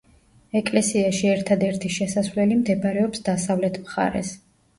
ეკლესიაში ერთადერთი შესასვლელი მდებარეობს დასავლეთ მხარეს.